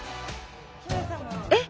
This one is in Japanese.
えっ！